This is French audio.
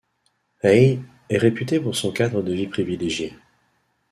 Aye est réputée pour son cadre de vie privilégié.